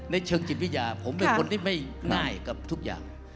เชิงจิตวิทยาผมเป็นคนที่ไม่ง่ายกับทุกอย่าง